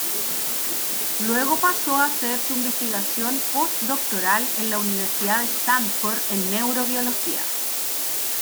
Luego pasó a hacer su investigación postdoctoral en la Universidad de Stanford en neurobiología..